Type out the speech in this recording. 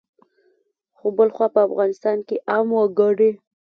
خو بلخوا په افغانستان کې عام وګړي